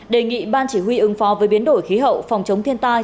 đề nghị ban chỉ huy ứng phó với biến đổi khí hậu phòng chống thiên tai